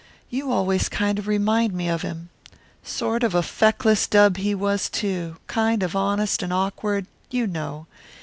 You always kind of remind me of him. Sort of a feckless dub he was, too; kind of honest and awkward you know.